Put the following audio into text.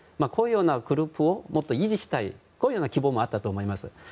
こういうようなグループをもっと維持したいという希望もあったと思います。